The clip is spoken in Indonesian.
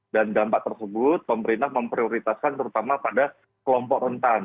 dan dampak tersebut pemerintah memprioritaskan terutama pada kelompok rentan